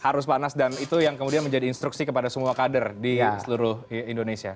harus panas dan itu yang kemudian menjadi instruksi kepada semua kader di seluruh indonesia